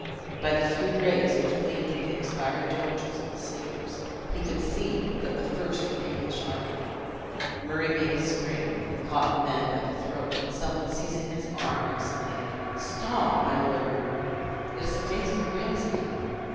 By the few rays which gleamed from the expiring torches of the sleepers, he could see that the first wore English armor. Murray made a spring, and caught the man by the throat; when some one seizing his arm, exclaimed, "Stop, my Lord Murray! it is the faithful Grimsby."